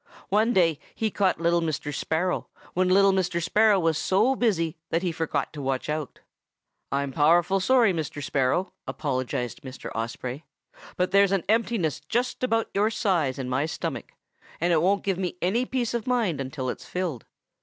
One day he caught little Mr. Sparrow when little Mr. Sparrow was so busy that he forgot to watch out. "'I'm powerful sorry, Mr. Sparrow,' apologized Mr. Osprey, 'but there's an emptiness just about your size in my stomach, and it won't give me any peace of mind until it's filled.